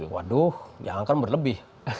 waduh jangan kan berlebih